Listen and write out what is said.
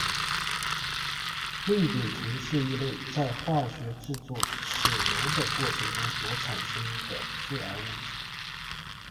氯丙醇是一类在化学制作豉油的过程中所产生的致癌物质。